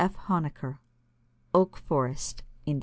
F. HONECKER, Oak Forest, Ind.